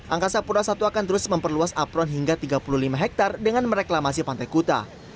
angkasa pura i akan terus memperluas apron hingga tiga puluh lima hektare dengan mereklamasi pantai kuta